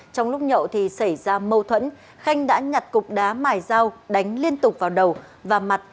trong lúc nhậu thì xảy ra mâu thuẫn khanh đã nhặt cục đá mài dao đánh liên tục vào đầu và mặt